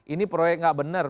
ini proyek tidak benar